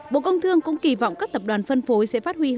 bộ công thương cũng kỳ vọng các tập đoàn phân phối sẽ phát huy hơn năm năm